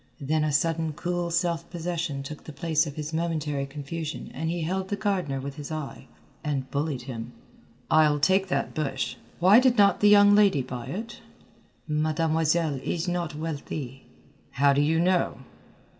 Then a sudden cool self possession took the place of his momentary confusion and he held the gardener with his eye, and bullied him. "I'll take that bush. Why did not the young lady buy it?" "Mademoiselle is not wealthy." "How do you know?"